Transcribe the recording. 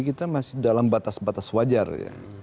kita masih dalam batas batas wajar ya